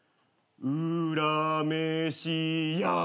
うらめしや！